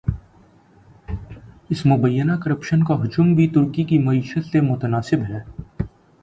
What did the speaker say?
اس مبینہ کرپشن کا حجم بھی ترکی کی معیشت سے متناسب ہے۔